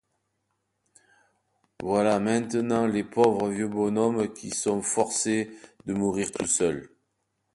Voilà maintenant les pauvres vieux bonshommes qui sont forcés de mourir tout seuls.